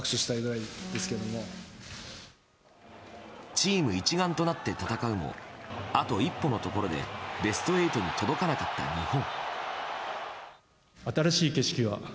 チーム一丸となって戦うもあと一歩のところでベスト８に届かなかった日本。